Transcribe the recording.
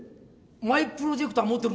マイプロジェクター持ってるのか？